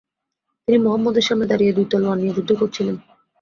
তিনি মুহাম্মদের সামনে দাঁড়িয়ে দুই তলোয়ার নিয়ে যুদ্ধ করছিলেন।